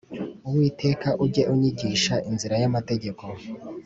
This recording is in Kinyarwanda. Uwiteka ujye unyigisha inzira y amategeko